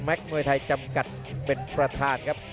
มวยไทยจำกัดเป็นประธานครับ